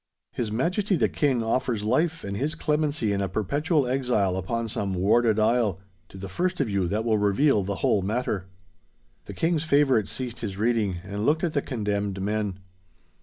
His Majesty the King offers life and his clemency in a perpetual exile upon some warded isle, to the first of you that will reveal the whole matter.' The King's favourite ceased his reading, and looked at the condemned men.